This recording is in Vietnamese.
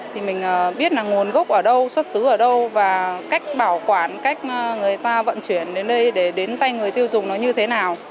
thì mình biết là nguồn gốc ở đâu xuất xứ ở đâu và cách bảo quản cách người ta vận chuyển đến đây để đến tay người tiêu dùng nó như thế nào